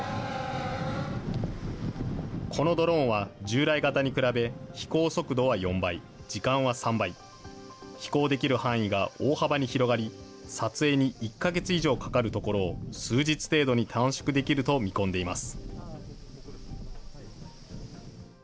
このドローンは、従来型に比べ、飛行速度は４倍、時間は３倍、飛行できる範囲が大幅に広がり、撮影に１か月以上かかるところを、数日程度に短縮できると見込んでいます。